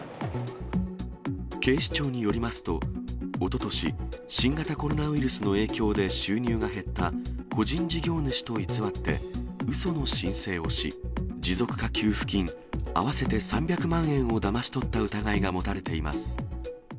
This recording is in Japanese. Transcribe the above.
警視庁によりますと、おととし、新型コロナウイルスの影響で収入が減った個人事業主と偽ってうその申請をし、持続化給付金合わせて３００万円をだまし取った疑いが持たれています。